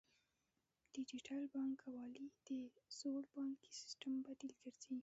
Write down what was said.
ډیجیټل بانکوالي د زوړ بانکي سیستم بدیل ګرځي.